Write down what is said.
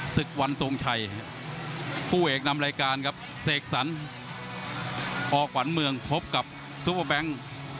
ศึกวันทรงชัยผู้เอกนำรายการครับเสกสรรออกขวัญเมืองพบกับซูเปอร์แบงค์